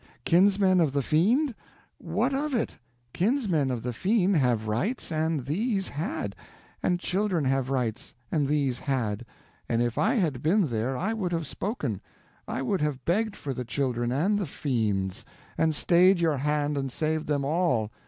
Kinsmen of the Fiend? What of it? Kinsmen of the Fiend have rights, and these had; and children have rights, and these had; and if I had been there I would have spoken—I would have begged for the children and the fiends, and stayed your hand and saved them all.